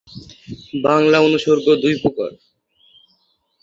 বাংলা অনুসর্গ দুই প্রকার।